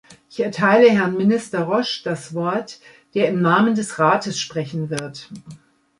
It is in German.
Ich erteile Herrn Minister Roche das Wort, der im Namen des Rates sprechen wird.